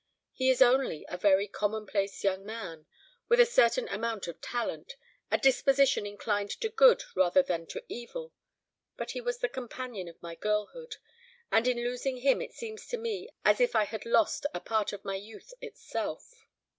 He is only a very commonplace young man, with a certain amount of talent, a disposition inclined to good rather than to evil. But he was the companion of my girlhood; and in losing him it seems to me as if I had lost a part of my youth itself."